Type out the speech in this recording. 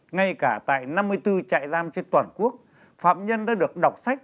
ngay cả tại năm mươi bốn trại giam trên toàn quốc phạm nhân đã được đọc sách